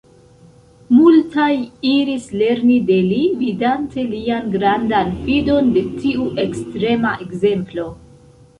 Multaj iris lerni de li, vidante lian grandan fidon de tiu ekstrema ekzemplo.